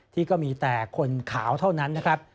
ก็มีแต่คนขาวเท่านั้นนะครับ